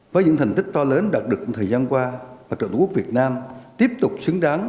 với những thành tích to lớn đạt được thời gian qua mặt trận tổ quốc việt nam tiếp tục xứng đáng